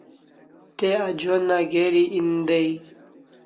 Te anjona geri en day